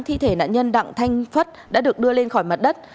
thi thể nạn nhân đặng thanh phất đã được đưa lên khỏi mặt đất